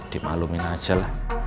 dimalumin aja lah